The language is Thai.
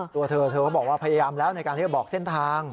ตัวเธอเธอก็บอกว่าพยายามแล้วในการที่จะบอกเส้นทาง